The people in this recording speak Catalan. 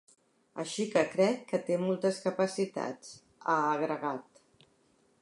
“Així que crec que té moltes capacitats”, ha agregat.